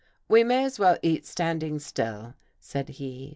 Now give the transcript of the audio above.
" We may as well eat standing still," said he.